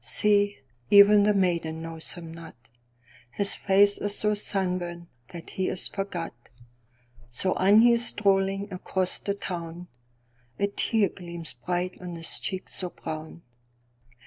See, even the maiden knows him not:His face is so sunburnt that he is forgot. So on he is strolling across the town:A tear gleams bright on his cheek so brown.